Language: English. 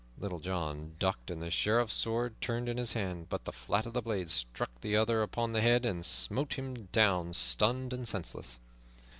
Little John ducked and the Sheriff's sword turned in his hand, but the flat of the blade struck the other upon the head and smote him down, stunned and senseless.